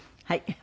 はい。